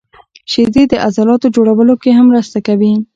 • شیدې د عضلاتو جوړولو کې هم مرسته کوي.